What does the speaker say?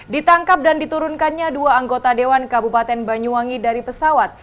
ditangkap dan diturunkannya dua anggota dewan kabupaten banyuwangi dari pesawat